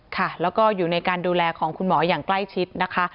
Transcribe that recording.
ค่ะแล้วก็อยู่ในการดูแลของคุณหมออย่างใกล้ชิดนะคะ